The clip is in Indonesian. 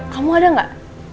kamu ada gak